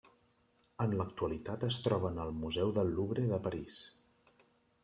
En l'actualitat es troba en el Museu del Louvre de París.